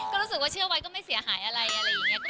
ก็รู้สึกว่าเชื่อไว้ก็ไม่เสียหายอะไรอะไรอย่างนี้